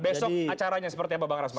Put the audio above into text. besok acaranya seperti apa bang rasman